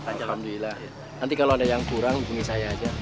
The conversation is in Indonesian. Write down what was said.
nanti kalau ada yang kurang bunyi saya aja